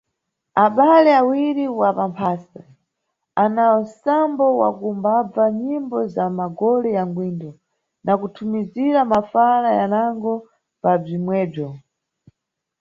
Abale awiri wa mamphase ana nsambo wa kumbabva nyimbo za magole ya ngwindo na kuthumizira mafala yanago pa bzwimwebzwo.